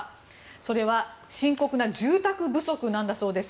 それは深刻な住宅不足なんだそうです。